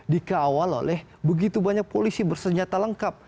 dikawal oleh begitu banyak polisi bersenjata lengkap